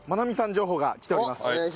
情報が来ております。